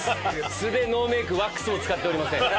素でノーメイクワックスも使っておりません。